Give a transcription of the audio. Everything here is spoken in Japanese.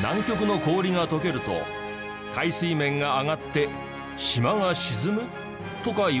南極の氷が溶けると海水面が上がって島が沈む？とかいわれますが。